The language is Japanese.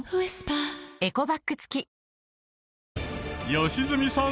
良純さん